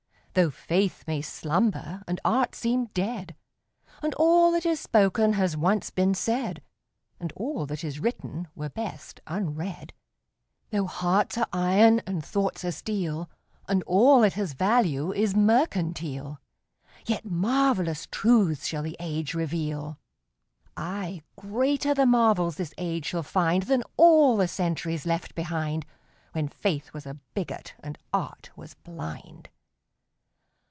Though faith may slumber and art seem dead, And all that is spoken has once been said, And all that is written were best unread; Though hearts are iron and thoughts are steel, And all that has value is mercantile, Yet marvellous truths shall the age reveal. Ay, greater the marvels this age shall find Than all the centuries left behind, When faith was a bigot and art was blind.